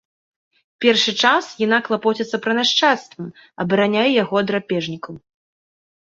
Першы час яна клапоціцца пра нашчадства, абараняе яго ад драпежнікаў.